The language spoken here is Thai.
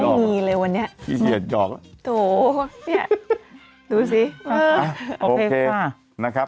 งั้นแหละโอเคครับ